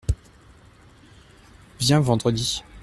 Viens vendredi.